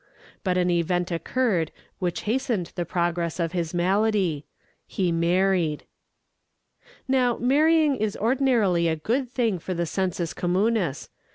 But an event occurred which hastened the progress of his malady. He married. Now, marrying is ordinarily a good thing for the sensus communis.